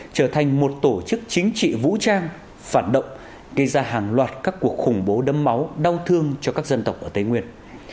trở thành một tổ chức chính trị vũ trang phản động gây ra hàng loạt các cuộc khủng bố đấm máu đau thương cho các dân tộc ở tây nguyên